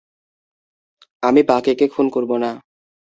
আমি বাঁকেকে খুন করব না।